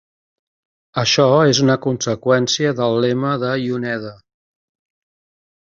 Això és una conseqüència del lema de Yoneda.